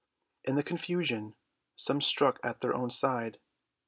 In the confusion some struck at their own side.